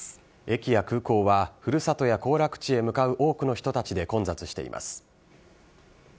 駅や空港は古里や行楽地へ向かう多くの人たちで混雑しています。